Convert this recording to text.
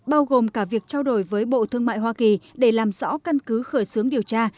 bao gồm cả việc trao đổi với bộ thương mại hoa kỳ để làm rõ căn cứ khởi xướng điều tra